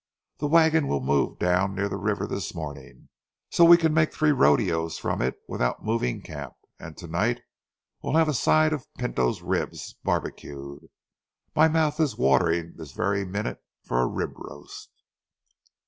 The wagon will move down near the river this morning, so we can make three rodeos from it without moving camp, and to night we'll have a side of Pinto's ribs barbecued. My mouth is watering this very minute for a rib roast."